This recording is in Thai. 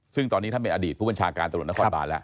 ซึ่งตอนนี้ท่านเป็นอดีตผู้บัญชาการตำรวจนครบานแล้ว